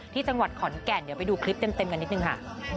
ที่จังหวัดขอนแก่นเดี๋ยวไปดูคลิปเต็มกันนิดนึงค่ะ